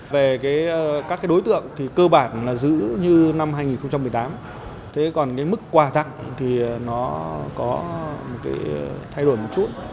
về các đối tượng cơ bản giữ như năm hai nghìn một mươi tám còn mức quà tặng thì nó có thay đổi một chút